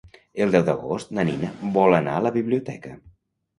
El deu d'agost na Nina vol anar a la biblioteca.